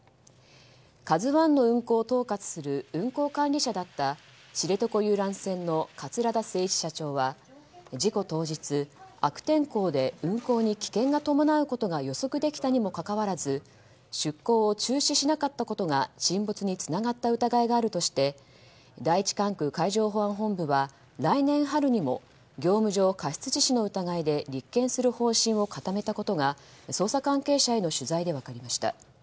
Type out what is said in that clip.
「ＫＡＺＵ１」の運航を統括する運航管理者だった知床遊覧船の桂田精一社長は事故当日、悪天候で運航に危険が伴うことが予測できたにもかかわらず出航を中止しなかったことが沈没につながった疑いがあるとして第１管区海上保安本部は来年春にも業務上過失致死の疑いで立件する方針を固めたことが、捜査関係者への取材で分かりました。